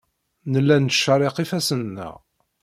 Nella nettcerriq ifassen-nneɣ.